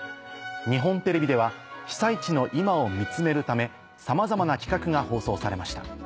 日本テレビでは被災地の今を見つめるためさまざまな企画が放送されました。